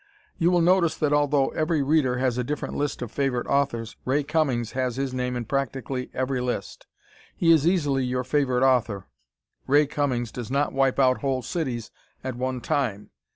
You will notice that although every reader has a different list of favorite authors, Ray Cummings has his name in practically every list. He is easily your favorite author. Ray Cummings does not wipe out whole cities at one time.